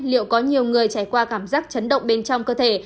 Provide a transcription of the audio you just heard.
liệu có nhiều người trải qua cảm giác chấn động bên trong cơ thể